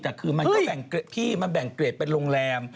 แต่คือมันก็พี่มันแบ่งเกรดเป็นโรงแรม